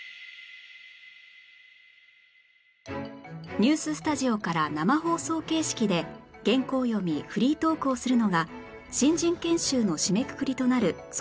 ニューススタジオから生放送形式で原稿読みフリートークをするのが新人研修の締めくくりとなる卒業制作